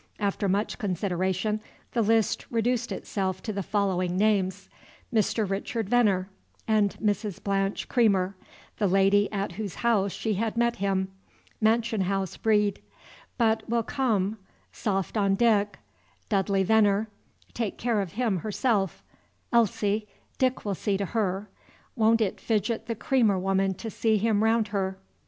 After much consideration the list reduced itself to the following names: Mr. Richard Venner and Mrs. Blanche Creamer, the lady at whose house she had met him, mansion house breed, but will come, soft on Dick; Dudley Venner, take care of him herself; Elsie, Dick will see to her, won't it fidget the Creamer woman to see him round her?